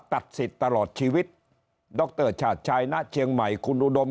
ตัดสิทธิ์ตลอดชีวิตดรชาติชายณเชียงใหม่คุณอุดม